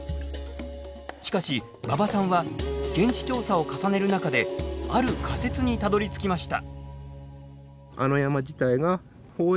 しかし馬場さんは現地調査を重ねる中である仮説にたどりつきました。